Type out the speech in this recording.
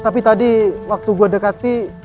tapi tadi waktu gue dekati